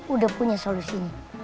udah punya solusi